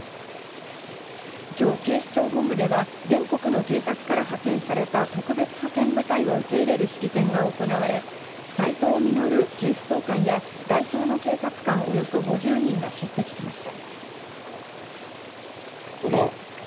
今日、警視庁本部では全国の警察から派遣された特別派遣部隊を受け入れる式典が行われ、斉藤実警視総監や、代表の警察官およそ５０人が出席しました。